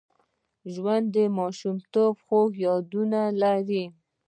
ژوندي د ماشومتوب خوږ یادونه لري